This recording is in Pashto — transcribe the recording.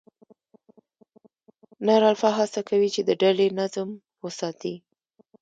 نر الفا هڅه کوي، چې د ډلې نظم وساتي.